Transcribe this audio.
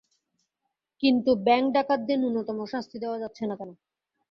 কিন্তু ব্যাংক ডাকাতদের ন্যূনতম শাস্তি দেওয়া যাচ্ছে না কেন?